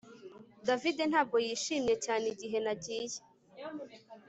David ntabwo yishimye cyane igihe nagiye